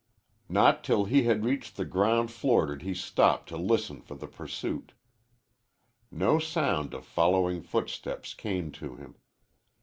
Not till he had reached the ground floor did he stop to listen for the pursuit. No sound of following footsteps came to him.